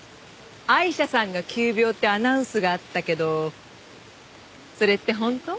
アイシャさんが急病ってアナウンスがあったけどそれって本当？